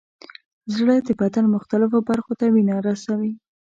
زړه د بدن مختلفو برخو ته وینه رسوي.